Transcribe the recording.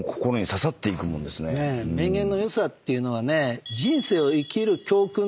名言の良さっていうのはね。